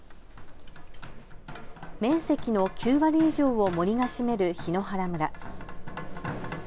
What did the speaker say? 面積の９割以上を森が占める檜原村。